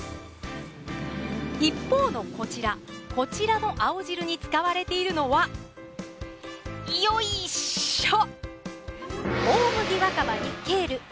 一方のこちらこちらの青汁に使われているのはよいしょ！